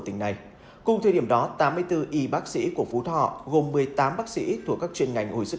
tỉnh này cùng thời điểm đó tám mươi bốn y bác sĩ của phú thọ gồm một mươi tám bác sĩ thuộc các chuyên ngành hồi sức